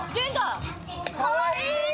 かわいい。